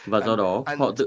và do đó họ tự áp dụng